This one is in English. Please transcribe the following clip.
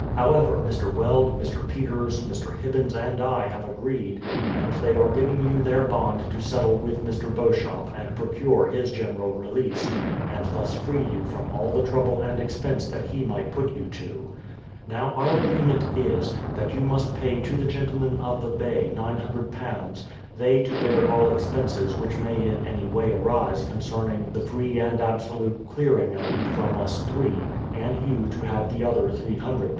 However, Mr. Weld, Mr. Peters, Mr. Hibbins, and I have agreed, and they are giving you their bond to settle with Mr. Beauchamp and procure his general release, and thus free you from all the trouble and expense that he might put you to. Now our agreement is, that you must pay to the gentlemen of the Bay £900, they to bear all expenses which may in any way arise concerning 312 THE PLY^iOUTH SETTLEMENT 313 the free and absolute clearing of you from us three; and you to have the other £300. ...